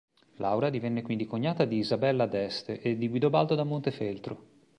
Laura divenne quindi cognata di Isabella d'Este e di Guidobaldo da Montefeltro.